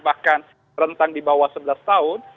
bahkan rentang di bawah sebelas tahun